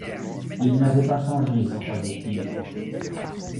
Il n'avait pas changé, croyait-il.